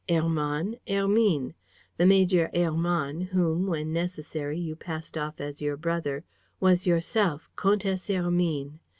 Hermann, Hermine. ... The Major Hermann whom, when necessary, you passed off as your brother was yourself, Comtesse Hermine.